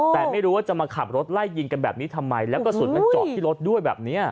แต่ไม่รู้ว่าจะมาขับรถไล่ยิงกันแบบนี้ทำไมแล้วกระสุนมันเจาะที่รถด้วยแบบนี้